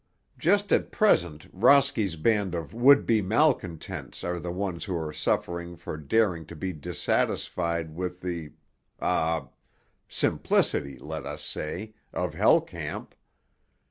Just at present Rosky's band of would be malcontents are the ones who are suffering for daring to be dissatisfied with the—ah—simplicity, let us say, of Hell Camp."